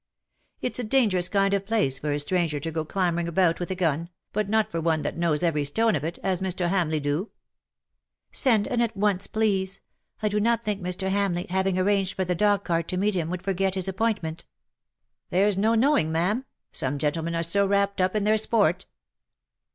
'^ It's a dangerous kind of place for a stranger to go clambering about with a gun, but not for one that knows every stone of it, as Mr. Hamleigh do/' '^ Send, and at once, please. I do not think Mr. Hamleigh, having arranged for the dog cart to meet him, would forget his appointment/'' " There's no knowing, ma'am. Some gentlemen are so wrapt up in their sport."